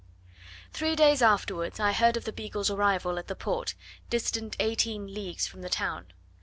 Three days afterwards I heard of the Beagle's arrival at the Port, distant eighteen leagues from the town.